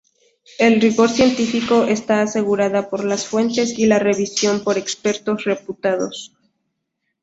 El rigor científico está asegurada por las fuentes y la revisión por expertos reputados.